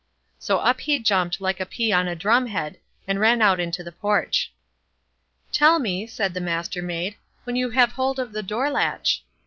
So up he jumped, like a pea on a drum head, and ran out into the porch. "Tell me", said the Mastermaid, "when you have hold of the door latch."